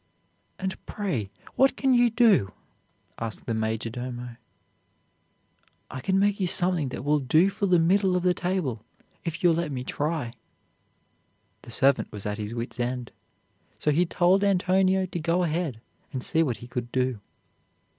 "And pray, what can you do?" asked the major domo. "I can make you something that will do for the middle of the table, if you'll let me try." The servant was at his wits' end, so he told Antonio to go ahead and see what he could do.